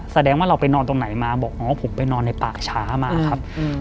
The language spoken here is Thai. แสดงว่าเราไปนอนตรงไหนมาบอกอ๋อผมไปนอนในป่าช้ามาครับ